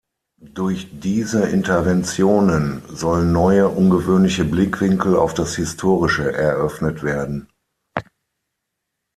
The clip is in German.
Durch diese Interventionen sollen neue, ungewöhnliche Blickwinkel auf das Historische eröffnet werden.